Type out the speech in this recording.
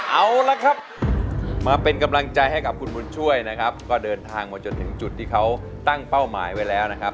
เอาละครับมาเป็นกำลังใจให้กับคุณบุญช่วยนะครับก็เดินทางมาจนถึงจุดที่เขาตั้งเป้าหมายไว้แล้วนะครับ